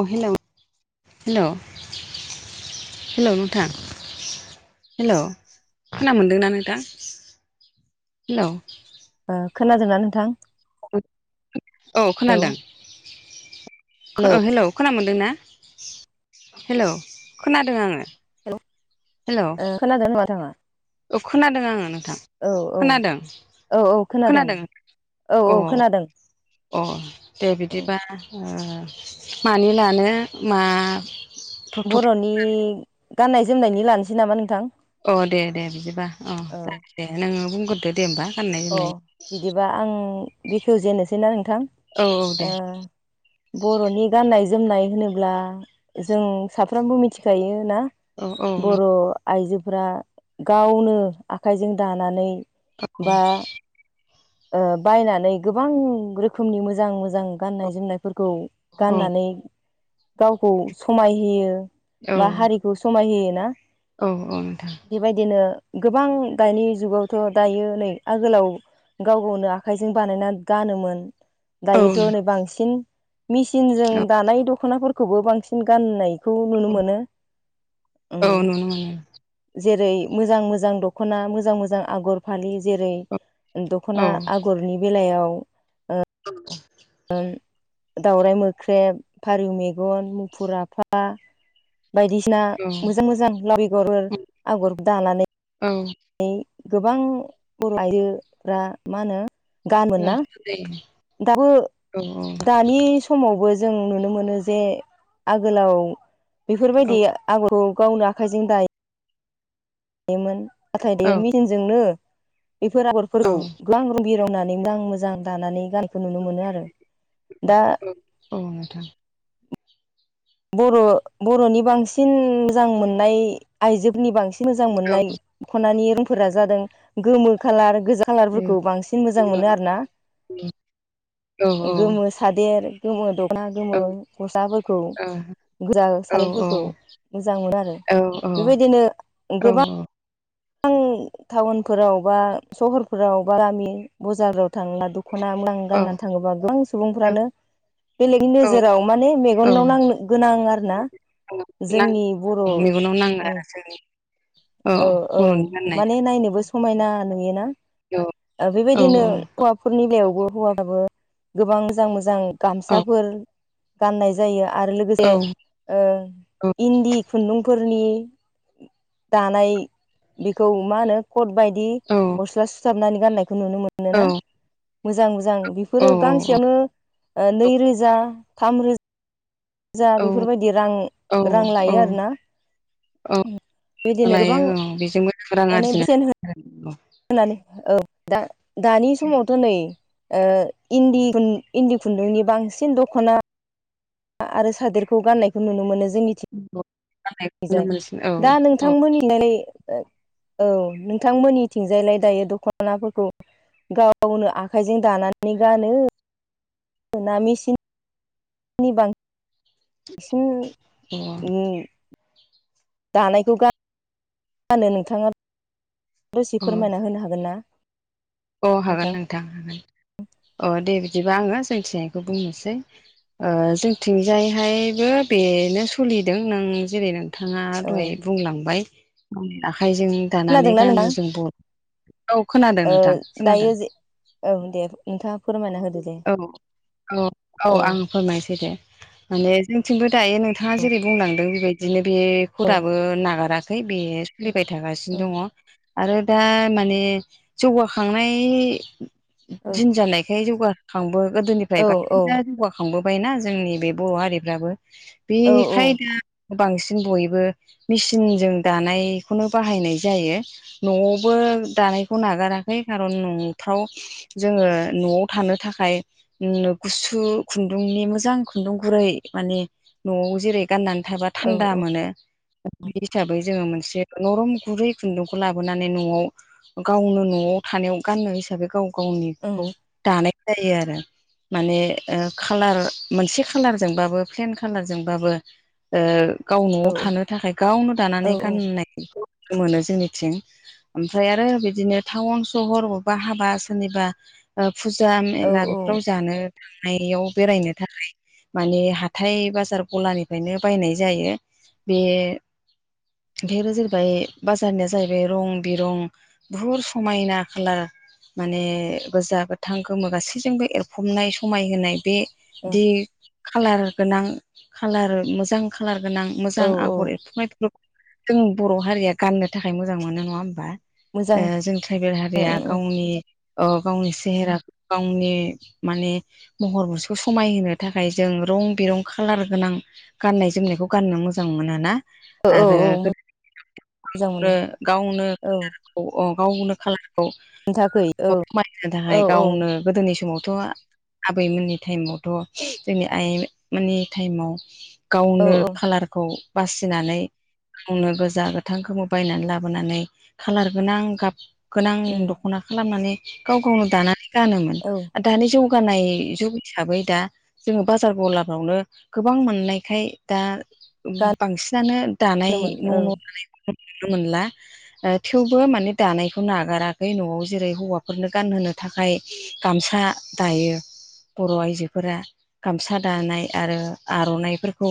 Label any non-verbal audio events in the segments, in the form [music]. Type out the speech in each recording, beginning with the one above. अ hello hello hello नोंथां hello खोना मोनदोंना नोंथां हेल' खोनादोंना नोंथां औ हेलौ खोनादों हेलौ खोना मोनदों ना हेलौ खोनादों आङो हेल' ओ खोनादों नामा थाङा अ खोनादों आङो नोंथां औ खोनादों औ खोनादों औ अ औ खोनादों अ दे उम बिदिबा ओ मानि लानो मा टपिक बर'नि गाननाय जोमनायनि लानोसै नामा नोंथां अ दे दे बिदिबा अ औ जाग दे नोङो बुंग्रदो दे होमबा गाननाय अ जोमनाय बिदिबा आं बेखेवजेनोसैना नोंथां औ औ दे ओ बर'नि गाननाय जोमनाय होनोब्ला जों साफ्रोमबो मिथिखायो ना औ औ नों बर' आइजोफोरा गावनो आखाइजों दानानै [inaudible] बा बायनानै गोबां रोखोमनि मोजां मोजां गाननाय जोमनायफोरखौ औ गाननानै गावखौ समायहोयो औ बा हारि समाय होयो ना औ औ नोंथां बेबायदिनो गोबां दानि जुगावथ' दायो नै आगोलाव गाव गावनो आखाइजों बानायना गानोमोन दायोथ' औ नै बांसिन मेसिनजों दानाय दख'नाफोरखौबो बांसिन गाननाय खौ नुनो औ मोनो औ नुनो मोनो जेरै मोजां मोजां दख'ना मोजां मोजां आगर फालि जेरै दख'ना औ आगरनि बेलायाव [inaudible] दावराइ मोख्रेब फारौ मेगन मुफुर आफा बायदिसिना औ मोजां मोजां लाव बेगर आगर दानानै औ ओ गोबां बर' आइजोफ्रा मा होनो गानोमोन ना ओं दे दाबो दानि समावबो जों नुनो मोनो जे आगोलाव औ बेफोरबायदि आगरखौ गावनो आखाइजों दाय दायोमोन नाथाय औ [unintelligible] मेचिनजोंनो बेफोर औ आगरफोरखौ गो [unintelligible] रं बिरंनानै आं मोजां दानानै गानखौ नुनो मोनो आरो दा औ नोंथां बर' बर'नि बांसिन मोजां मोननाय आइजोफोरनि बांसिन मोजां औ मोननाय औ ख'नानि रोंफोरा जादों गोमो खाालार गोजा खालारफोरखौ बांसिन मोजां मोनो आरो ना औ औ गोमो सादेर गोमो दख'ना गोमो गस्लाफोरखौ गोजा सादोरफोरखौ मोजां मोनो आरो औ बेबायदिनो गोबां औ बां टाउनफोराव बा सहरफोराव बा गामि बजाराव थां [unintelligible] दख'ना [unintelligible] गाननानै थाङोबा गोबां सुबुंफ्रानो बेलेगनि औ नोजोराव माने मेगनाव नांनो गोनां आरो ना नां जोंनि बर' मेगनाव नाङो उ [inaudible] औ जोंनि औ बर'नि गाननाया माने नायनोबो समायना नुयोना औ ओ औ बेबायदिनो औ हौवाफोरनि [unintelligible] लायावबो हौवा [unintelligible] बो गोबां मोजां मोजां औ गामसाफोर गाननाय जायो आरो लोगोसे औ ओ इन्दि खुन्दुंफोरनि दानाय बेखौ मा होनो कट बायदि गस्ला सुथाबनानै गाननायखौ नुनो मो मोनो ना मोजां मोजां बेफोरो गांसेयावनो ओ नैरोजा थाम रोजा जा बेफोरबायदि रां रां औ औ लायो औ आरोना औ उ बेदिनो गोबां लायो औ बेजोंबो रां माने बेसेन होन [inaudible] होनानै औ दा दानि समावथ' नै ओ इन्दि खुन इन्दि खुन्दुंनि बांसिन दख'ना आरो सादोरखौ गाननायखौ नुनो मोनो जोंनि हागौ गाननायखौनो [unintelligible] मोनसिन औ दा औ नोंथांमोननि [unintelligible] औ नोंथां मोनिथिंजायलाय दायो दख'नाफोरखौ गावनो आखाइजों दानानै गानो मोना मेसिन नि बां सिन अ [unintelligible] दानायखौ गा गानो नोंथाङा दसे फोरमायना होनो हागोन ना औ हागोन नोंथां हागोन औ दे बिदिबा आङो जोंथिजायखौ बुंनोसै ओ जोंथिंजायहायबो बेनो सलिदों नों जेरै नों थाङा ओ दहाय बुंलांबाय गावनि आखाइजों दानानै खोनादोंना गानो नोंथां जों ब औ खोनादों ओ नोंथां खोनादों दायो जे औ दे नोंथाङा फोरमायना होदो दे औ औ औ आं फोरमायसै दे माने जोंथिंबो दायो नोंथाङा जेरै बुंलांदों बेबायद बिदिनो बे औ खराबो नागाराखै बे सोलिबाय थागासिनो ओं दङ आरो दा माने जौगाखांनाय औ दिन जानायखाय जौगा खांबो गोदोनिफ्राय औ बांसिना जौगाखांबोबायना जोंनि बे बर' हारिफ्राबो औ बेखाय दा बांसिन बयबो मिसिनजों दानायखौनो बाहायनाय जायो न'आवबो दानायखौ नागाराखै खारन न'फ्राव जोङो न'आव थानो थाख फाय उ गुसु खुन्दुंनि मोजां खुन्दुं गुरै माने न'आव जेरै गाननानै थाबा औ थान्दा मोनो। बे हिसाबै जोङो मोनसे नरम गुरै खुन्दुंखौ लाबोनानै न'आव गावनो न'आव थानायाव गाननो हिसाबै गाव गावनिखौ ओं दानाय जायो आरो। माने खालार मोनसे खालारजोंबाबो प्लेन खाालारजोंबाबो ओ गाव न'आव औ थानो थाखाय गावनो औ दानानै गाननायखौ मोनो जोंनिथिं। ओमफ्राय आरो बिदिनो टाउन सहर बबेबा हाबा सोरनिबा फुज फुजा औ मेलाफ्राव ओं जानो थांनायाव बेरायनो थाखाय माने हाथाय बाजार गलानिफ्रायनो बायनाय जायो बे ओंखाय जाहैबाय बाजारनिया जाहैबाय रं बिरं बुहुत समायना खालार माने गोजा गोथ गोथां गोमो गासैजोंबो एरफबनाय समायहोनाय बेदि कालार गोनां कालार मोजां कालार गोनां औ मोजां औ आगर एरथुमनाय जों बर' हारिया गाननो थाखाय मोजां मोनो नङा होमबा मोजां ओ उम जोंथ ट्राइबेल हारिया उम गावनि गावनि सेहेरा गावनि माने महर मुस्रिखौ समायहोनो थाखाय जों रं बिरं खालार गोनां। गाननाय जोमनायखौ गाननो मोजां मोनो ना? औ औ आरो औ मोजां मोनो गावनो गावनो औ औ गावनो खालारखौ खोन्थाखै औ खमायनो औ थाखाय गावनो गोदोनि समावथ' आबैमोननि टाइमावथ' जोंनि आइमोननि टाइमाव औ गावनो औ खालारखौ बासिनानै गावनो गोजा गोथां गोमो बायनानै लाबोनानै खाालार गोनां गाब गोनां उम दख'ना खालामनानै गाव गावनो दानानै गानोमोन। औ दानि जौगानाय जुग हिसाबै दा जोङो बाजार गलागावनो गोबां मोननायखाय दा बांसिनानो दानाय गानोमोन न' न' लानाय औ नुनो मोनला थेवबो माने दानायखौ नागाराखै न'आव जेरै हौवाफोरनो गानहोनो थाखाय गामसा दायो बर' आइजोफोरा गामसा दानाय आरो आर'नाइफोरखौ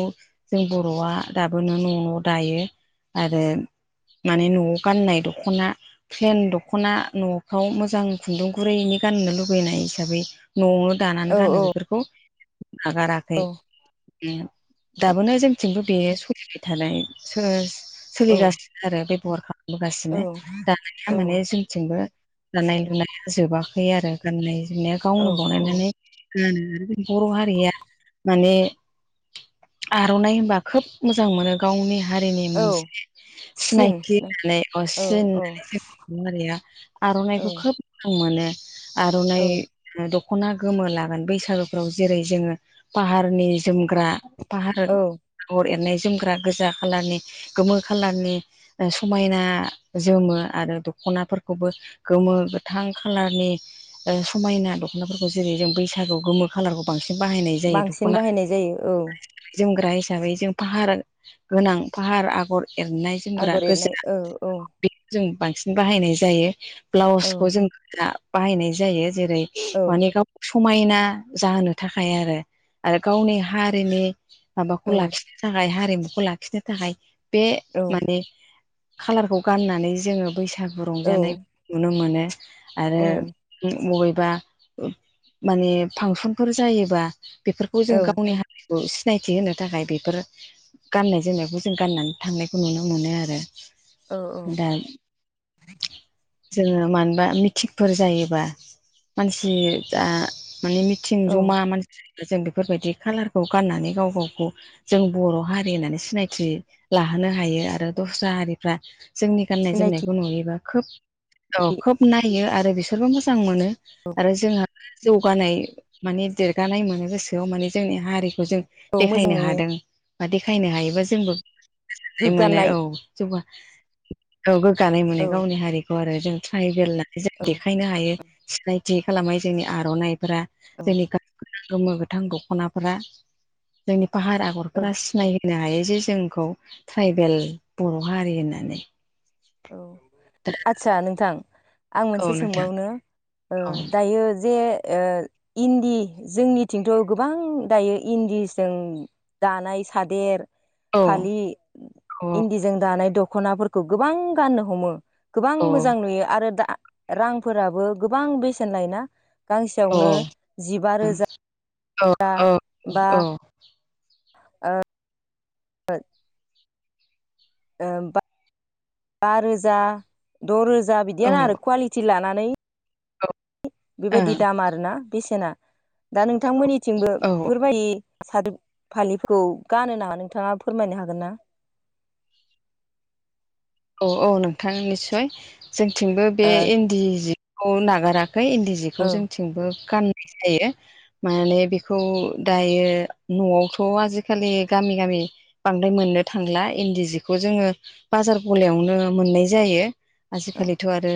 जों बर'आ दाबोनो न' न' दायो आरो। माने न'आव गाननाय दख'ना प्लेन दख'ना न'फ्राव मोजां खुन्दुं गुरैनि गाननो लुबैनाय हिसाबै न'आव दानानै औ गानो औ बेफोरखौ नागारा औ दाबोनो जोंथिंबो बे सलिबाय थानाय सोर औ सोलिगासिनो आरो बेबहार खालामबोगासिनो दानिया औ माने जों थिंबो दानाय लुनाया जोबाखै आरो गाननाय जोमनाया औ गावनो बनायनानै औ ग बर' हारिया माने आर'नाइ होनबा खोब मोजां मोनो गावनि हारिनि औ मोनसे सिन सिनायथि औ होननानै अ औ सि औ जोंया आर'नाइखौ खोब म मोनो औ आर'नाइ दख'ना गोमो लागोन बैसागुफ्राव जेरै जोङो पाहारनि जोमग्रा फाहार औ आगर एरनाय जोमग्रा गोजा खालारनि गोमो खालारनि समायना जोमो आरो दख'नाफोरखौबो गोमो गोथ थां खालारनि समायना दख'नाफोरखौ जेरै जों बैसागुआव गोमो खालारखौ बांसिन बाहायनाय जायो बांसिन दख'नाखौ। बाहायनाय जायो औ जोमग्रा हिसाबै जों फाहार गोनां फाहार आगर एरनाय जोमग्रा आगर एरनाय गोजा औ औ बे जों बांसिन बाहायनाय जायो औ ब्लाउसखौ जों बाहायनाय जायो जेरै माने गाव समायना जाहोनो थाखाय आरो आरो गावनि हारिनि माबाखौ औ लाखि थाखाय हारिमुखौ लाखिनो थाखाय बे औ माने खाालारखौ गाननानै जोङो बैसागु औ रंजानाय नुनो मोनो आरो। उम बबेबा माने फांसनफोर जायोबा बेफोरखौ जों औ गावनि हारिखौ सिनायथि होनो थाखाय बेफोर गाननाय जोमनायखौ जों गाननानै थांनायखौ नुनो मोनो आरो। औ औ दा जोङो मानोबा मिथिंफोर जायोबा मानसि जा माने मिथिं औ जमा मान जों बेफोरबायदि खालारखौ गाननानै गाव गावखौ जों बर' हारि होननानै सिनायथि लाहोनो हायो आरो दस्रा हारिफ्रा जोंनि गान्नाय सिनायथि जोमनायखौ नुयोबा खोब औ खोब नायो आरो बिसोरबो मोजां मोनो। औ आरो जोंहा जौगानाय माने देरगानाय मोनो गोसोआव माने जोंनि हारिखौ जों औ मोजां देखायनो नुयो हादों बा देखायनो हायोबा जोंबो मोनो गोग्गानाय औ। ज गोग्गानाय मोनो औ गावनि हारिखौ आरो जों ट्राइबेल न जों औ देखायनो हायो सिनायथि खालामनाय जोंनि आर'नाइफोरा औ जोंनि गा गोमो - गोथां दख'नाफोरा जोंनि फाहार औ आगरफोरा सिनायो होननो हायो जे जोंखौ ट्राइबेल बर' हारि होननानै औ आदसा नोंथां। आं औ मोनसे नोंथां सोंबावनो ओ औ दायो जे ओ इन्दि जोंनिथिंथ' गोबां दायो इन्दिजों दानाय सादेर औ फालि इन्दिजों दानाय दख'नाफोरखौ गोबां गाननो हमो। गोबां मोजां नुयो आरो दा रांफोराबो गोबां बेसेन लायना औ गांसेयावनो जिबा औ रोजा बा औ ओ बद [unintelligible] ओ बा रोजा द' रोजा औ बिदियानो औ आरो कुवालिटि लानानै बेबायदि दाम आरोना बेसेना दा नोंथांमोननिथिंबो औ बेफोरबायदि सार फालिखौ गानो नामा नोंथाङा फोरमायनो हागोन ना। औ औ नोंथां निस्सय जोंथिंबो बे ओ इन्दि जिखौ नागाराखै इन्दि जि औ जिखौ जोंथिंबो गाननाय जायो। माने बेखौ दायो न'आवथ' आजिखालि गामि - गामि बांद्राय मोननो थांला इन्दि जिखौ जोङो बाजार गलायावनो मोननाय जायो आजिखालिथ' आरो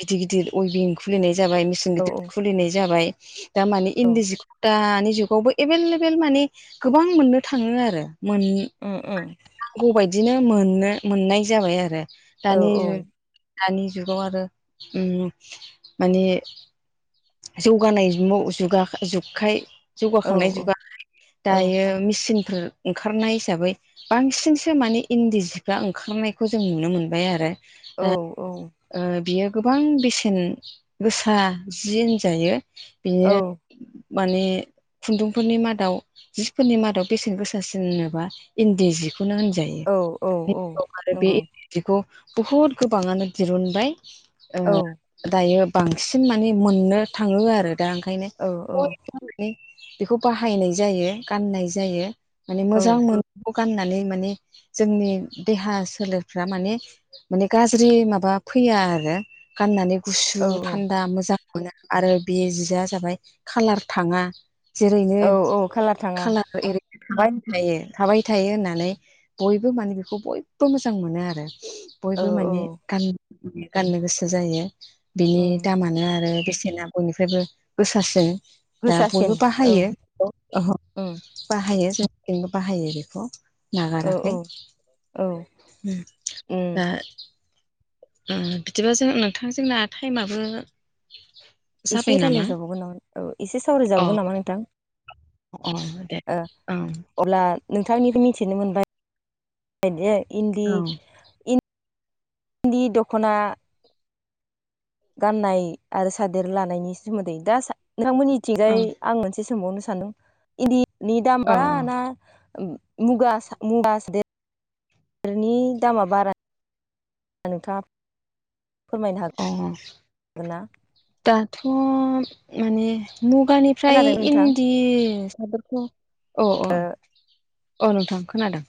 गिदिर -गिदिर अइबिं खुलिनाय जाबाय मेसेन औ गिदिर खुलिनाय जाबाय। दामानि औ इन्दि जि दानि जुगावबो एभेललेबोेल माने गोबां मोननो थाङो आरो मोन ओ - ओ। नांगौबायदिनो मोननो मोननाय जाबाय आरो औ दानि दानि जुगाव आरो उम माने जौगानाय जुगाखाय औ जौगाखांनाय जुगाय औ दायो मेसिन फोर ओंखारनाय हिसाबै बांसिनसो माने इन्दि सिफ्रा ओंखारनायखौ जों नुनो मोनबाय आरो। दा ओ बियो गोबां बेसेन गोसा जि होनजायो बियो माने खुन्दुंफोरनि मादाव जिफोरनि मादाव बेसेन गोसासिनबा इन्दि जिखौ बेनो औ औ औ होनजायो आरो बे‌ नंगौ [unintelligible] बुहुद गोबाङानो दिरुनबाय ओ‌ औ दायो बांसिन मान माने‌ मोननो थाङो आरो दा ओंखायनो औ औ बेखौ बाहायनाय जायो गाननाय जायो माने मोजां मोनो बेखौ गाननानै माने जोंनि देहा सोलेरफ्रा माने माने गाज्रि माबा फैया आरो गाननानै गुसु औ थान्दा मोजां [unintelligible] आरो बे जिआ जाबाय कालार थाङा जेरैनो औ औ खालार थाङा खालार ओरैनो थाबाय थायो थाबाय थायो होननानै बयबो माने बेखौ बयबो मोजां मोनो आरो। औ बयबो औ माने गान गाननो गोसो जायो बिनि उम दामानो आरो आरो बेसेना बयनिफ्रायबो गोसासिन दा गोसासिन बयबो औ बाहायो उम बाहायो जोंंबो बाहायो बेखौ औ औ नागाराखै औ उम दा बिदिबा जों नोंथां जोंना टाइमाबो? एसे जाबाय नामा रायज्लायजाबावगोन नामा औ एसे अ सावरायजाबावगोन नामा नोंथां? अ दे ओ औ अब्ला नोंथांनिफ्राय मिथिनो मोनबाय इदि इन्दि औ इ दि दख'ना गाननाय आरो सादेर लानायनि सोमोन्दै दा नोंथांमोननि थिगाय औ आं मोनसे सोंबावनो सानदों इन्दिनि दाम बारा ना। मुगा मुगा सादरनि दामा बारा [unintelligible] फोरमायनो अ हागोन ना दाथ' माने मुगानि फ्राय खोनादों नोंथां इन्दि साबखौ अ अ अ नोंथां खोनादों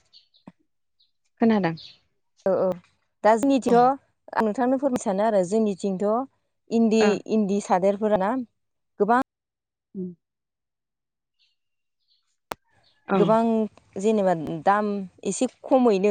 खोनादों? ओ ओ दा ओ जोंनिथिंथ आं नोंथांनो फोरमाय सानो आरो जोंनिथिंथ' इन्दि इन्दि सादोरफोर ना गोबां [unintelligible] ओं गोबां जेनेबा दाम एसे खमैनो